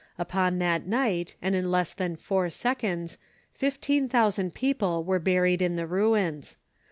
Upon that night, and in less than four seconds, fifteen thousand people were buried in the ruins.